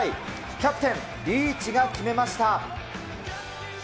キャプテン、リーチが決めました。